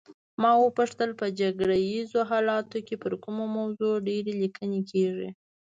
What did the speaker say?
ما وپوښتل په جګړه ایزو حالاتو کې پر کومه موضوع ډېرې لیکنې کیږي.